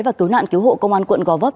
và cứu nạn cứu hộ công an quận gò vấp